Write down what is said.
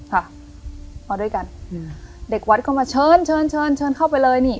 ค่ะมาด้วยกันอืมเด็กวัดก็มาเชิญเชิญเชิญเชิญเชิญเข้าไปเลยนี่